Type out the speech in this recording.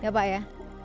iya pak ya